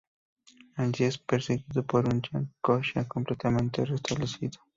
Allí es perseguido por un Yag-Kosha completamente restablecido.